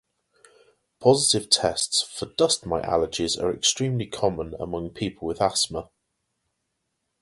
Positive tests for dust mite allergies are extremely common among people with asthma.